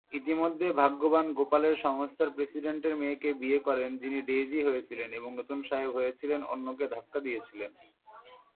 ইতিমধ্যে ভাগ্যবান গোপালের সংস্থার প্রেসিডেন্টের মেয়েকে বিয়ে করেন যিনি ডেইজি হয়েছিলেন এবং নতুন সাহেব হয়েছিলেন, অন্যকে ধাক্কা দিয়েছিলেন।